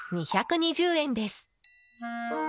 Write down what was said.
２２０円です。